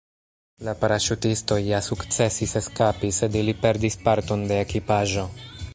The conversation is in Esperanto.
La paraŝutistoj ja sukcesis eskapi, sed ili perdis parton de ekipaĵo.